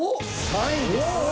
３位です。